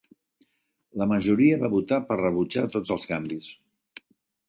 La majoria va votar per rebutjar tots els canvis.